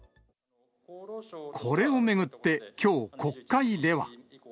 これを巡ってきょう、国会では。